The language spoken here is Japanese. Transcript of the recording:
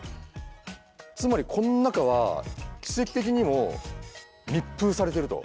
つまりこの中は奇跡的にも密封されてると。